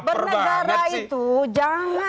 benegara itu jangan